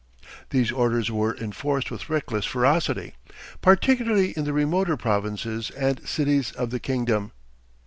These orders were enforced with reckless ferocity, particularly in the remoter provinces and cities of the kingdom.